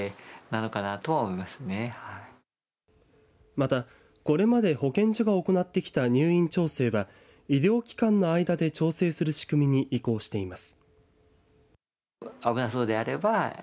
またこれまで保健所が行ってきた入院調整は医療機関の間で調整する仕組みに移行しています。